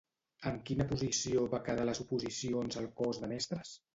En quina posició va quedar a les oposicions al cos de mestres?